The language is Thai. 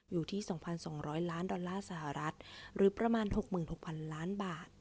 อยู่ที่๒๒๐๐ล้านดอลลาร์สหรัฐหรือประมาณ๖๖๐๐๐ล้านบาท